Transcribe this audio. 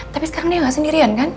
tapi sekarang dia nggak sendirian kan